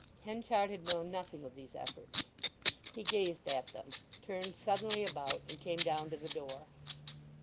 Henchard had known nothing of these efforts. He gazed at them, turned suddenly about, and came down to the door.